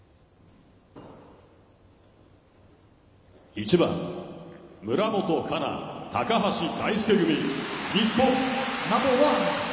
１番村元哉中、高橋大輔組、日本。